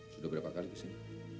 sudah berapa kali disini